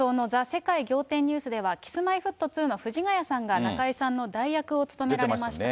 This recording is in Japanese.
世界仰天ニュースでは、Ｋｉｓ−Ｍｙ−Ｆｔ２の藤ヶ谷さんが中居さんの代役を務められました。